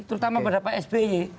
terutama pada pak sby